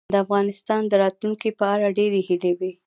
د افغانستان د راتلونکې په اړه ډېرې هیلې وې.